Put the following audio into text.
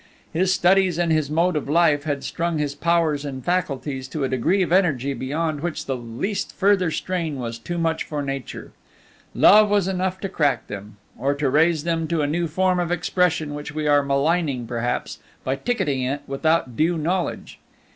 His studies and his mode of life had strung his powers and faculties to a degree of energy beyond which the least further strain was too much for nature; Love was enough to crack them, or to raise them to a new form of expression which we are maligning perhaps, by ticketing it without due knowledge.